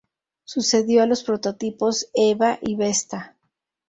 Sucedió a los prototipos Eva y Vesta.